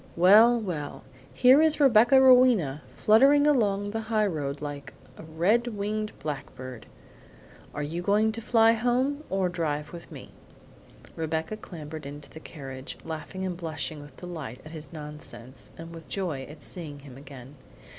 "Well, well; here is Rebecca Rowena fluttering along the highroad like a red winged blackbird! Are you going to fly home, or drive with me?" Rebecca clambered into the carriage, laughing and blushing with delight at his nonsense and with joy at seeing him again.